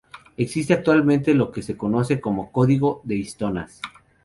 Existe actualmente lo que se conoce como "código de histonas".